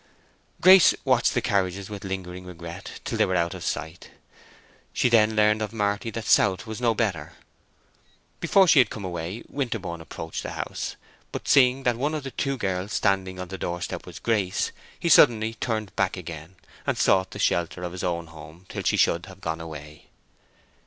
Grace watched the carriages with lingering regret till they were out of sight. She then learned of Marty that South was no better. Before she had come away Winterborne approached the house, but seeing that one of the two girls standing on the door step was Grace, he suddenly turned back again and sought the shelter of his own home till she should have gone away.